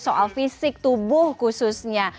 soal fisik tubuh khususnya